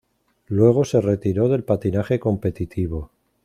Luego se retiró del patinaje competitivo.